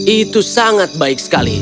itu sangat baik sekali